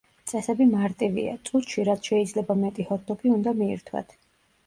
წესები მარტივია, – წუთში, რაც შეიძლება მეტი ჰოთ-დოგი უნდა მიირთვათ.